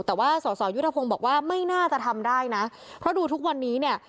แต่ว่าสอสอยุทธพงศ์บอกว่าไม่น่าจะทำได้นะเพราะดูทุกวันนี้เนี่ย